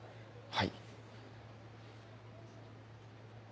はい。